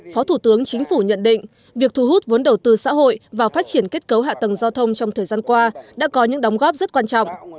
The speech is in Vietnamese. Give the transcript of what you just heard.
phó thủ tướng chính phủ nhận định việc thu hút vốn đầu tư xã hội vào phát triển kết cấu hạ tầng giao thông trong thời gian qua đã có những đóng góp rất quan trọng